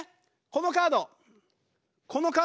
このカード。